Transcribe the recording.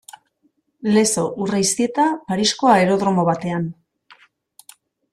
Lezo Urreiztieta Parisko aerodromo batean.